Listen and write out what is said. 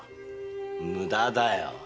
無駄だよ。